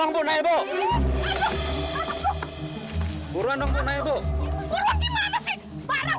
angkatkan percikanannya percikanannya tiga ribu yoko